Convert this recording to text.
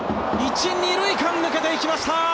１・２塁間抜けていきました！